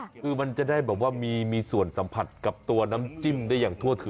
คือมันจะได้แบบว่ามีส่วนสัมผัสกับตัวน้ำจิ้มได้อย่างทั่วถึง